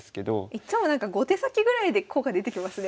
いつもなんか５手先ぐらいで効果出てきますね